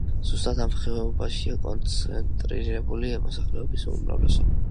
ზუსტად ამ ხეობებშია კონცენტრირებული მოსახლეობის უმრავლესობა.